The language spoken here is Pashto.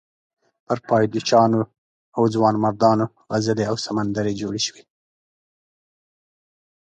پر پایلوچانو او ځوانمردانو غزلې او سندرې جوړې شوې.